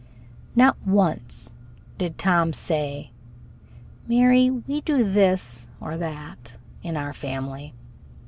Not once did Tom say: "Mary, we do this [or that] in our family."